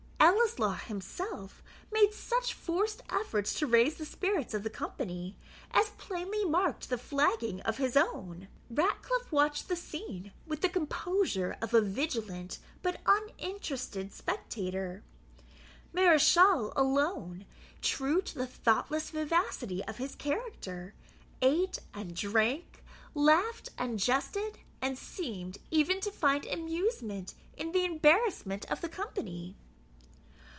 Ellieslaw himself made such forced efforts to raise the spirits of the company, as plainly marked the flagging of his own. Ratcliffe watched the scene with the composure of a vigilant but uninterested spectator. Mareschal alone, true to the thoughtless vivacity of his character, ate and drank, laughed and jested, and seemed even to find amusement in the embarrassment of the company.